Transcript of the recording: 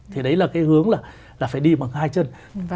thì đấy là cái hướng là phải đi bằng hai chân